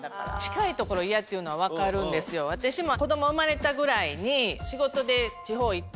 私も子供生まれたぐらいに。